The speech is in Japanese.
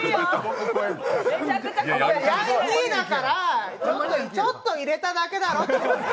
ヤンキーだから、ちょっと入れただけだろうって。